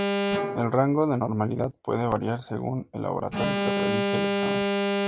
El rango de normalidad puede variar según el laboratorio que realice el examen.